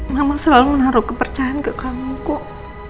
kamu selalu menaruh kepercayaan ke kamu kok